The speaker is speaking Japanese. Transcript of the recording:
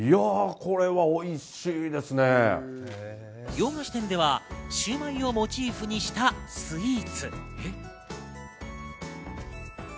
洋菓子店ではシウマイをモチーフにしたスイーツ。